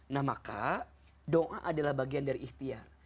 nah maka doa adalah bagian dari ikhtiar